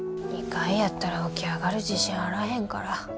２階やったら起き上がる自信あらへんから。